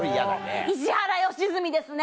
石原良純ですね。